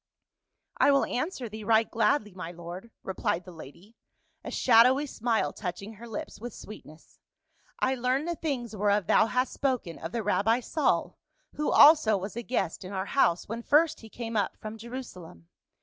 " I will answer thee right gladly, my lord," replied the lady, a shadowy smile touching her lips with sweet ness. " I learned the things whereof thou hast spoken, of the rabbi Saul, who also was a guest in our house, when first he came up from Jerusalem.